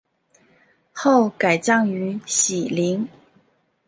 后改葬于禧陵。